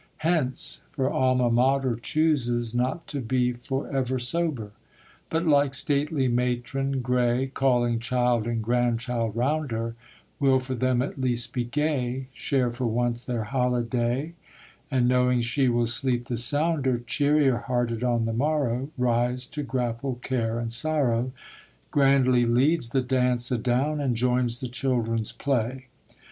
Hence; for Alma Mater chooses Not to be for ever sober: But, like stately matron gray, Calling child and grandchild round her, Will for them at least be gay; Share for once their holiday; And, knowing she will sleep the sounder, Cheerier hearted on the morrow Rise to grapple care and sorrow, Grandly leads the dance adown, and joins the children's play.